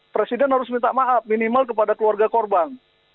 presiden harus minta maaf minimal kepada keluarga korban